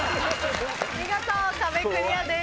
見事壁クリアです。